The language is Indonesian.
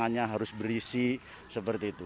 tangannya harus berisi seperti itu